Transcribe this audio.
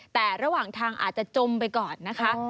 แต่ระหว่างทางอาจจะจมไปก่อนนะคะ